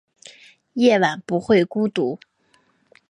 夜晚不会孤单